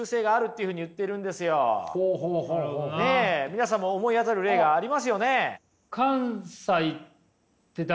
皆さんも思い当たる例がありますよね？